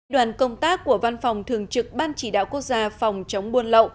đoàn công tác của văn phòng thường trực ban chỉ đạo quốc gia phòng chống buôn lậu